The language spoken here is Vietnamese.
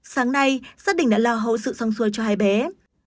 sáng nay gia đình đã là hậu sự song xuôi cho hai bé